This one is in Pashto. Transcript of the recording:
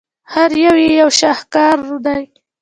هر یو یې یو شاهکار دی.